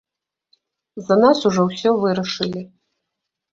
За нас ужо ўсё вырашылі.